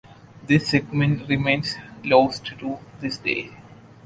This segment remains lost to this day.